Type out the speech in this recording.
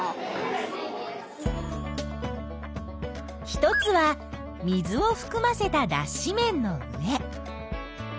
一つは水をふくませただっし綿の上。